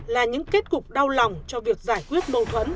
là những kết cục đau lòng cho việc giải quyết mâu thuẫn